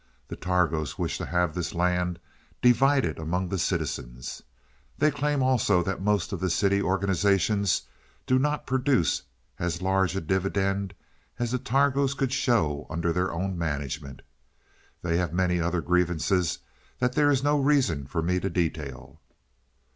The Targos wish to have this land divided among the citizens. They claim also that most of the city organizations do not produce as large a dividend as the Targos could show under their own management. They have many other grievances that there is no reason for me to detail."